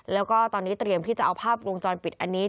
แล้วก็ตอนนี้เตรียมที่จะเอาภาพวงจรปิดอันนี้